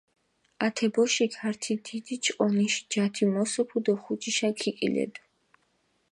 ათე ბოშიქ ართი დიდი ჭყონიში ჯათი მოსოფუ დო ხუჯიშა ქიკილედუ.